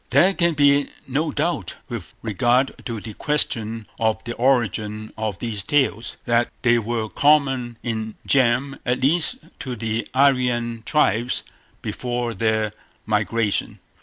There can be no doubt, with regard to the question of the origin of these tales, that they were common in germ at least to the Aryan tribes before their migration.